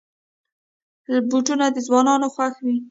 بوټونه د ځوانانو خوښ وي.